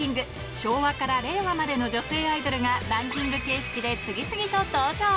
昭和から令和までの女性アイドルがランキング形式で次々と登場。